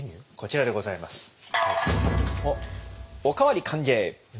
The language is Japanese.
こちらでございます。